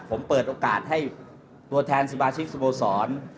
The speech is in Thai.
ผมเปิดโอกาสให้ตัวแทนสิบาทริสสมศร